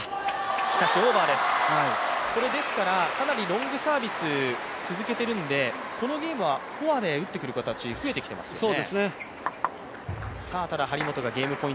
これ、ですからかなりロングサービス続けてるんでこのゲームは、フォアで打ってくる形、増えていますね。